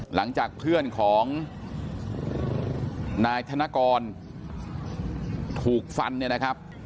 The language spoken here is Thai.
หลังจากเพื่อนของนายธนกรถูกฟันเนี่ยนะครับ